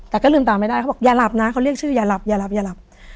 แต่ก็ลืมตาไม่ได้เขาบอกอย่าหลับนะเขาเรียกชื่ออย่าหลับอย่าหลับอย่าหลับ